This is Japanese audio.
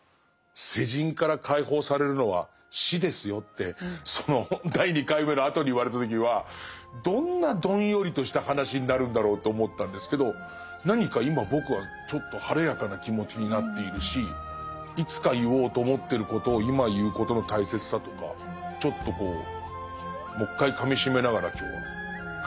世人から解放されるのは死ですよってその第２回目のあとに言われた時はどんなどんよりとした話になるんだろうと思ったんですけど何か今僕はちょっと晴れやかな気持ちになっているしいつか言おうと思ってることを今言うことの大切さとかちょっとこうもう一回かみしめながら今日は帰りたい。